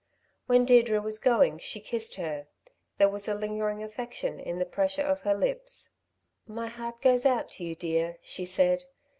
When Deirdre was going she kissed her. There was lingering affection in the pressure of her lips. "My heart goes out to you, dear," she said.